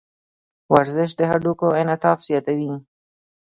ورزش د هډوکو انعطاف زیاتوي.